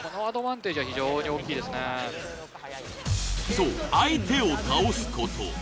そう相手を倒すこと。